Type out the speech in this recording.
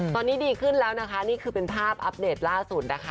ตอนนี้ดีขึ้นแล้วนะคะนี่คือเป็นภาพอัปเดตล่าสุดนะคะ